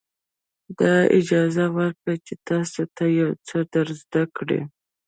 دا اجازه ورکړئ چې تاسو ته یو څه در زده کړي.